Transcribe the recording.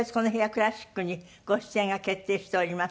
クラシックにご出演が決定しております。